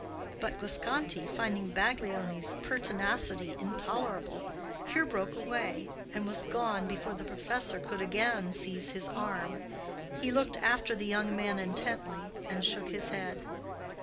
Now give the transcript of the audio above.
But Guasconti, finding Baglioni's pertinacity intolerable, here broke away, and was gone before the professor could again seize his arm. He looked after the young man intently and shook his head.